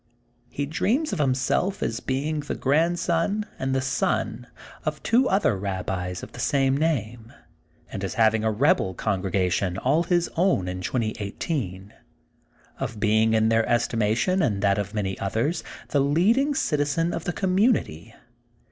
He dreams of himself as being the grandson and the son of two other Babbis of the same name and as having a rebel congregation all his own in 2018, of being in their estimation and that of many others, the leading citizen of the community.